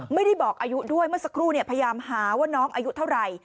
ไม่ได้บอกอายุด้วยเมื่อสักครู่พยายามหาว่าน้องอายุเท่าไหร่